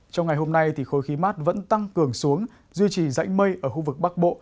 trong ngày hôm nay khối khí mát vẫn tăng cường xuống duy trì dãnh mây ở khu vực bắc bộ